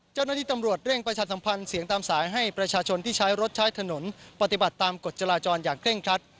เจ้าหน้าที่ตำรวจเร่งประชาสัมพันธ์เสียงตามสายให้ประชาชนที่ใช้รถใช้ถนนปฏิบัติตามกฎจราจรอย่างเคร่งครัด